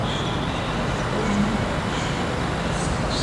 А што ў ім?